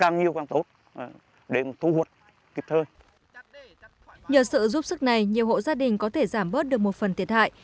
nhờ sự giúp sức này nhiều hộ gia đình có thể giảm bớt được một phần thiệt hại